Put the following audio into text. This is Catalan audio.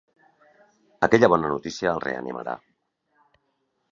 Aquella bona notícia el reanimarà.